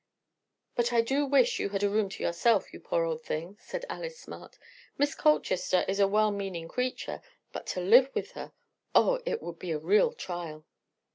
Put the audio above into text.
"But I do wish you had a room to yourself, you poor old thing," said Alice Smart. "Miss Colchester is a well meaning creature; but to live with her—oh, it would be a real trial!"